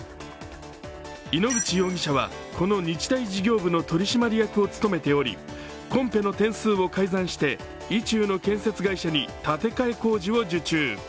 井ノ口容疑者はこの日大事業部の取締役を務めており、コンペの点数を改ざんして、意中の建設会社に建て替え工事を受注。